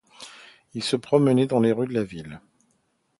Il se promenait dans les rues de la ville.